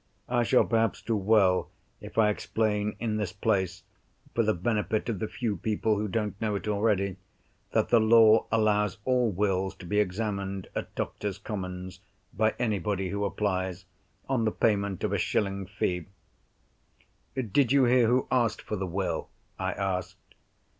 (I shall perhaps do well if I explain in this place, for the benefit of the few people who don't know it already, that the law allows all Wills to be examined at Doctors' Commons by anybody who applies, on the payment of a shilling fee.) "Did you hear who asked for the Will?" I asked.